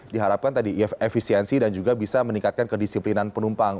diharapkan tadi efisiensi dan juga bisa meningkatkan kedisiplinan penumpang